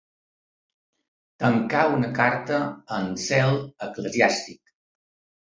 Tanqueu una carta amb zel eclesiàstic.